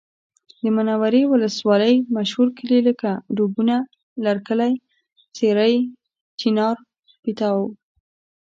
د منورې ولسوالۍ مشهور کلي لکه ډوبونه، لرکلی، سېرۍ، چینار، پیتاو